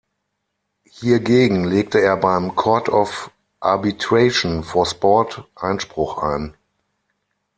Hiergegen legte er beim Court of Arbitration for Sport Einspruch ein.